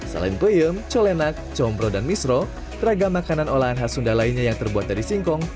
selain peyem colenak comro dan misro ragam makanan olahan khas sunda lainnya yang terbuat dari singkong